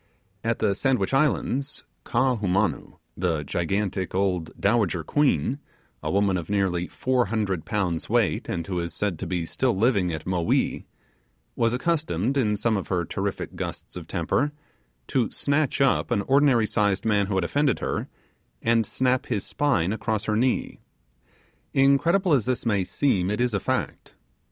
At the Sandwich Islands, Kaahumanu, the gigantic old dowager queen a woman of nearly four hundred pounds weight, and who is said to be still living at Mowee was accustomed, in some of her terrific gusts of temper, to snatch up an ordinary sized man who had offended her, and snap his spine across her knee. Incredible as this may seem, it is a fact.